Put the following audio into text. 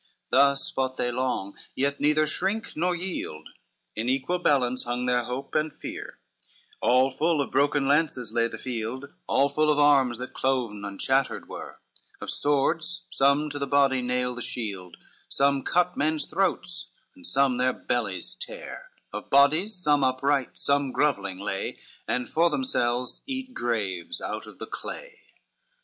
L Thus fought they long, yet neither shrink nor yield, In equal balance hung their hope and fear: All full of broken lances lay the field, All full of arms that cloven and shattered were; Of swords, some to the body nail the shield, Some cut men's throats, and some their bellies tear; Of bodies, some upright, some grovelling lay, And for themselves eat graves out of the clay.